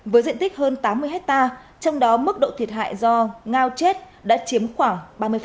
với diện tích hơn tám mươi hectare trong đó mức độ thiệt hại do ngao chết đã chiếm khoảng ba mươi